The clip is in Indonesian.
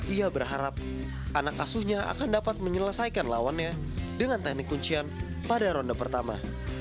ia berharap anak asuhnya akan dapat menyelesaikan lawannya dengan teknik kuncian pada ronde pertama